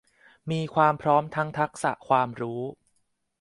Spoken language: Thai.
มีความพร้อมทั้งทักษะความรู้